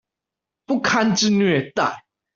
不堪之虐待